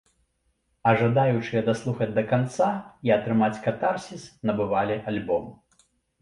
А жадаючыя даслухаць да канца і атрымаць катарсіс набывалі альбом.